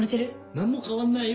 何も変わんないよ。